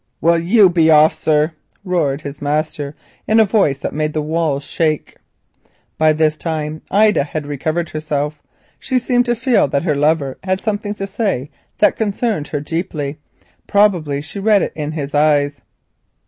"Will you be off, sir?" roared his master in a voice that made the walls shake. By this time Ida had recovered herself. She seemed to feel that her lover had something to say which concerned her deeply—probably she read it in his eyes.